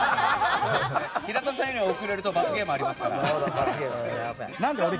平田さんより遅れると罰ゲームありますから。